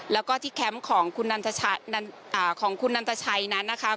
แล้วก็ที่แคมป์ของคุณนันตชัยนั้นนะคะ